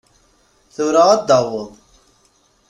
Tura ad d-taweḍ.